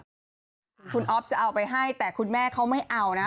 คุณอ๊อฟจะเอาไปให้แต่คุณแม่เขาไม่เอานะ